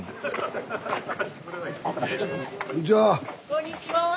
こんにちは。